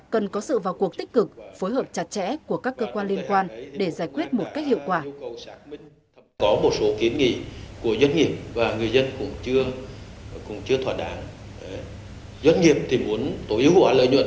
cần có sự vào cuộc tích cực phối hợp chặt chẽ của các cơ quan liên quan để giải quyết một cách hiệu quả